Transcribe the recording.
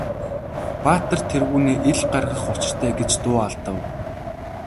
Баатар тэргүүнээ ил гаргах учиртай гэж дуу алдав.